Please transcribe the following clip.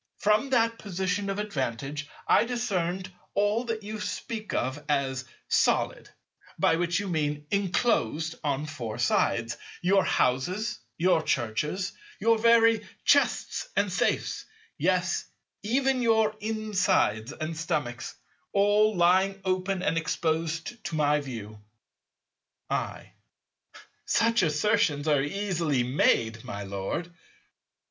From that position of advantage I discerned all that you speak of as solid (by which you mean "enclosed on four sides"), your houses, your churches, your very chests and safes, yes even your insides and stomachs, all lying open and exposed to my view. I. Such assertions are easily made, my Lord.